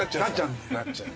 なっちゃう。